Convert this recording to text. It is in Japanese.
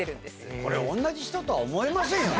これ同じ人とは思えませんよね。